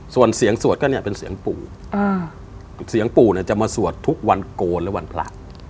ส่วนเสียงสวดก็เนี่ยเป็นเสียงปู่เสียงปู่เนี่ยจะมาสวดทุกวันโกนและวันพระ